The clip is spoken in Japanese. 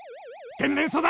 「天然素材」